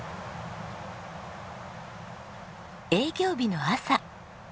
営業日の朝。